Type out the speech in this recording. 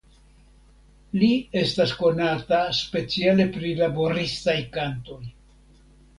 Li estas konata speciale pri laboristaj kantoj.